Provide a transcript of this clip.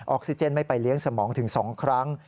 ออกซิเจนไม่ไปเลี้ยงสมองถึง๒ครั้ง